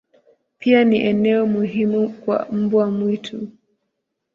Pia ni eneo muhimu kwa mbwa mwitu.